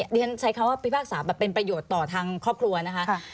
เรียนใช้คำว่าพิพากษาแบบเป็นประโยชน์ต่อทางครอบครัวนะคะ